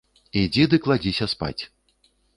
Ідзі ды кладзіся спаць.